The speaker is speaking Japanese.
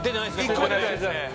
１個も出てないですね！